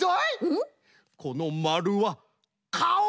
このまるはかお！